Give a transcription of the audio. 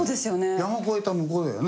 山越えた向こうだよね？